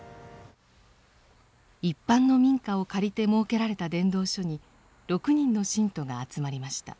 一般の民家を借りて設けられた伝道所に６人の信徒が集まりました。